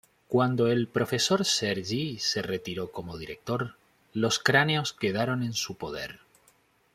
Cuando el profesor Sergi se retiró como director, los cráneos quedaron en su poder.